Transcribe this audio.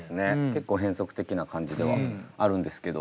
結構変則的な感じではあるんですけど。